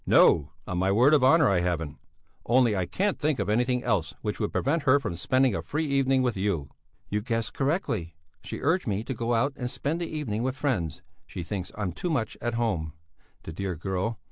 "No! On my word of honour, I haven't! Only I can't think of anything else which would prevent her from spending a free evening with you." "You guessed correctly. She urged me to go out and spend the evening with friends; she thinks I'm too much at home. The dear girl!